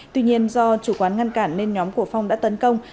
tuy nhiên do chủ quán ngăn cản nên nhóm của phong đã tấn công